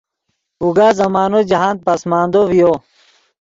اوگا زمانو جاہند پسماندو ڤیو